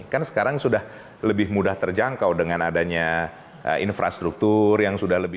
kan sekarang sudah lebih mudah terjangkau dengan adanya infrastruktur yang sudah lebih